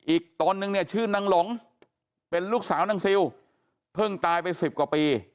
ตนนึงเนี่ยชื่อนางหลงเป็นลูกสาวนางซิลเพิ่งตายไปสิบกว่าปี